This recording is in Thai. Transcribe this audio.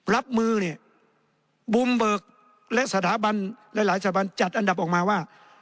รับมือเนี่ยบุมเบิกและสถาบันหลายสถาบันจัดอันดับออกมาว่า